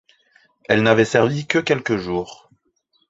Elle n'avait servi que quelques jours.